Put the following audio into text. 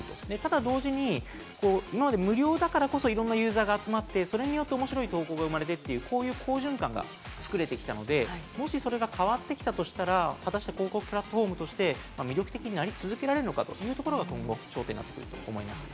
ただ同時に今まで無料だからこそ、いろんなユーザーが集まって、それによって面白い統合が生まれてという好循環が作れてきたので、もしそれが変わってきたとしたら、果たして広告プラットホームとして魅力的になり続けられるのかということが焦点になってくると思います。